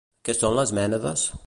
Què són les mènades?